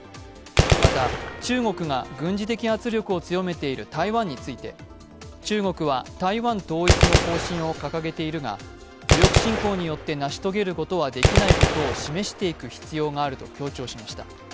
また、中国が軍事的圧力を強めている台湾について、中国は台湾統一の方針を掲げているが、武力侵攻によって成し遂げることはできないことを示していく必要があると強調しました。